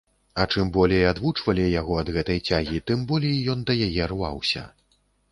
А чым болей адвучвалі яго ад гэтай цягі, тым болей ён да яе рваўся.